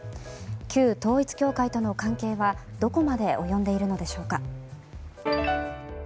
旧統一教会との関係は、どこまで及んでいるのでしょうか。